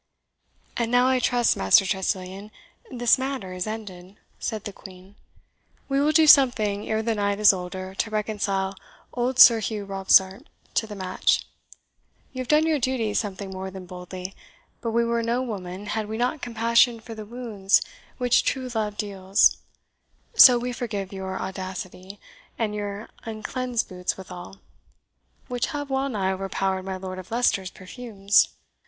"And now, I trust, Master Tressilian, this matter is ended," said the Queen. "We will do something ere the night is older to reconcile old Sir Hugh Robsart to the match. You have done your duty something more than boldly; but we were no woman had we not compassion for the wounds which true love deals, so we forgive your audacity, and your uncleansed boots withal, which have well nigh overpowered my Lord of Leicester's perfumes."